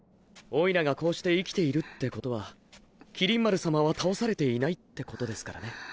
オイラがこうして生きているってことは麒麟丸さまは倒されていないってことですからね。